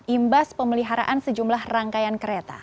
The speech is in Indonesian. imbas pemeliharaan sejumlah rangkaian kereta